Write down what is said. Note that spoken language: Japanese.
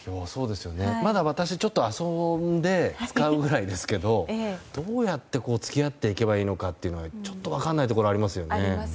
まだ私、ちょっと遊んで使うぐらいですけどどうやって付き合っていけばいいのかがちょっと分からないところがありますよね。